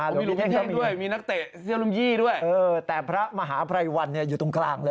หลวงพี่เท่งด้วยมีนักเตะเซียลุมยีด้วยแต่พระมหาไพรวันอยู่ตรงกลางเลย